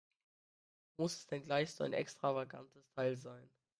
Muss es denn gleich so ein extravagantes Teil sein?